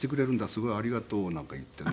「すごい。ありがとう」なんか言ってね。